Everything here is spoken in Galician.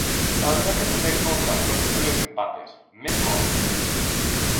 Haberá que facer contas cos posibles empates, mesmo o triplo.